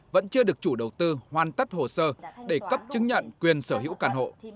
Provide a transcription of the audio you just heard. vẫn chưa được chủ đầu tư hoàn tất hồ sơ để cấp chứng nhận quyền sở hữu căn hộ